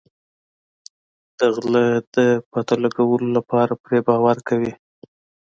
د غله د پته لګولو لپاره پرې باور کوي.